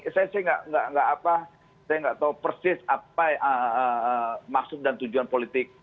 saya nggak tahu persis apa maksud dan tujuan politik